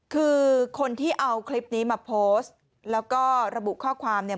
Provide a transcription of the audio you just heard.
คือคนที่เอาคลิปนี้มาโพสต์แล้วก็ระบุข้อความเนี่ย